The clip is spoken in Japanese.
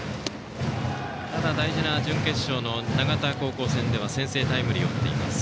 大事な準決勝の長田高校戦では先制タイムリーを打っています。